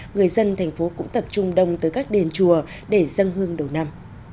người dân tp hcm cũng tập trung đông tới các đền chùa để dâng hương đầu năm